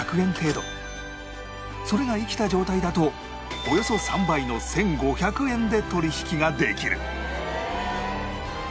それが生きた状態だとおよそ３倍の１５００円で取引ができる